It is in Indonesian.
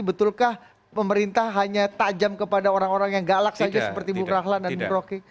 betulkah pemerintah hanya tajam kepada orang orang yang galak saja seperti bukrahlan dan bukroki